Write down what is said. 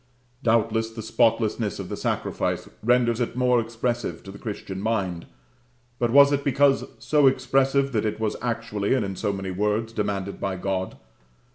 Doubtless the spotlessness of the sacrifice renders it more expressive to the Christian mind; but was it because so expressive that it was actually, and in so many words, demanded by God?